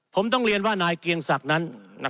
ผมต้องเรียนว่านายเกียงศักดิ์นั้น